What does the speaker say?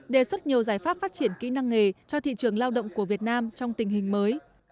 đề xuất nhiều giải pháp phát triển kỹ năng nghề cho thị trường lao động của việt nam trong tình hình mới